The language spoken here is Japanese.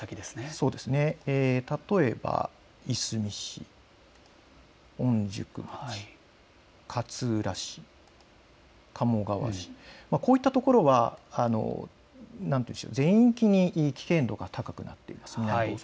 例えば、いすみ市、御宿町、勝浦市、鴨川市、こういったところは全域に危険度が高くなっています。